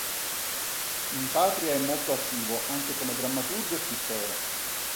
In patria è molto attivo anche come drammaturgo e pittore.